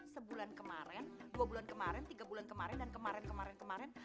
sebulan kemaren dua bulan kemaren tiga bulan kemaren dan kemaren kemaren kemaren